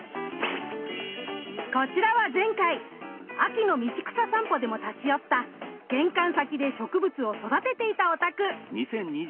こちらは前回秋の道草さんぽでも立ち寄った玄関先で植物を育てていたお宅。